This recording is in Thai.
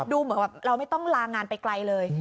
ดูเหมือนแบบเราไม่ต้องลางานไปไกลเลย